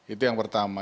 itu yang pertama